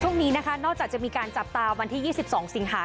ช่วงนี้นะคะนอกจากจะมีการจับตาวันที่๒๒สิงหา